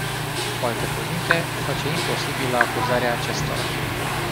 Cu alte cuvinte, face imposibilă acuzarea acestora.